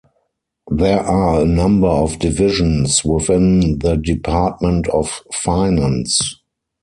There are a number of divisions within the Department of Finance.